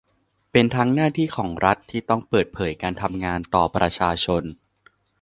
เป็นทั้งหน้าที่ของรัฐที่ต้องเปิดเผยการทำงานต่อประชาชน